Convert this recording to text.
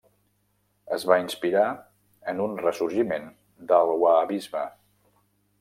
Es va inspirar en un ressorgiment del wahhabisme.